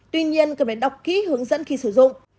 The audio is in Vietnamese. tuy nhiên cần phải đọc kỹ hướng dẫn khi sử dụng